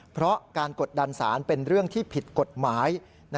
เพราะการกดดันสารเป็นเรื่องที่ผิดกฎหมาย